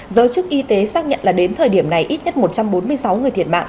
giới chức y tế xác nhận là đến thời điểm này ít nhất một trăm bốn mươi sáu người thiệt mạng